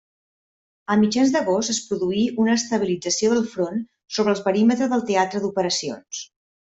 A mitjans d'agost es produí una estabilització del front sobre el perímetre del teatre d'operacions.